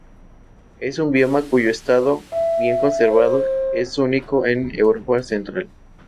Es un bioma cuyo estado bien conservado es único en Europa central.